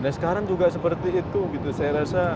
nah sekarang juga seperti itu gitu saya rasa